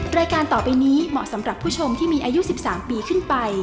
รายการต่อไปนี้เหมาะสำหรับผู้ชมที่มีอายุ๑๓ปีขึ้นไป